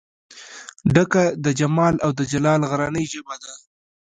ډکه د جمال او دجلال غرنۍ ژبه ده